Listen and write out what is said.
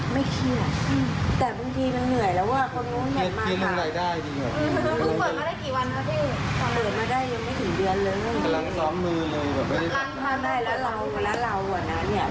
ไม่เครียดแต่บางทีมันเหนื่อยแล้วว่าคนนี้มันเหนียดมาก